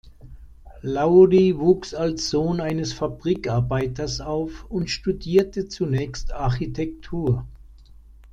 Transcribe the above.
Laurie wuchs als Sohn eines Fabrikarbeiters auf und studierte zunächst Architektur.